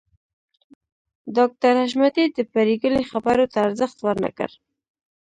ډاکټر حشمتي د پريګلې خبرو ته ارزښت ورنکړ